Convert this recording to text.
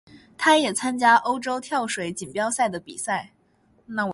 他也参加欧洲跳水锦标赛的比赛。